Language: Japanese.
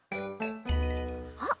あっ！